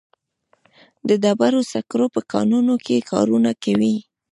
د ډبرو سکرو په کانونو کې کارونه کوي.